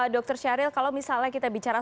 dokter syaril kalau misalnya kita bicara